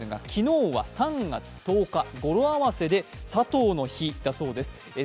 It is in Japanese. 昨日は３月１０日、語呂合わせで佐藤の日だそうです。